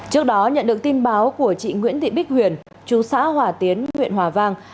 trước đó nhận được tin báo của chị nguyễn thị bích huyền chú xã hòa tiến huyện hòa vang